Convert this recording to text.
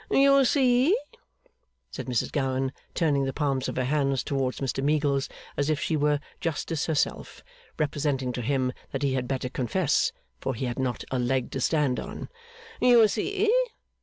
'You see?' said Mrs Gowan, turning the palms of her hands towards Mr Meagles, as if she were Justice herself, representing to him that he had better confess, for he had not a leg to stand on. 'You see?